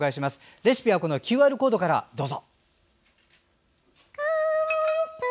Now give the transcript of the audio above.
レシピはＱＲコードからどうぞ。